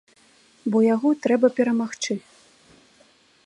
Бо яго трэба перамагчы.